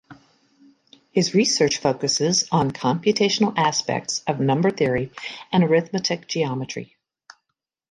His research focuses on computational aspects of number theory and arithmetic geometry.